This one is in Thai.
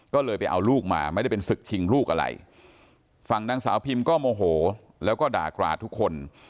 ก็เลยไปเอาลูกมาไม่ได้เป็นศึกชิงลูกอะไรฝั่งนางสาวพิมก็โมโหแล้วก็ด่ากราดทุกคน